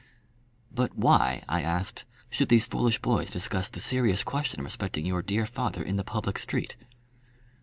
"But why," I asked, "should these foolish boys discuss the serious question respecting your dear father in the public street?"